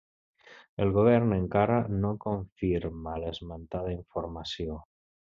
El govern encara no confirma l'esmentada informació.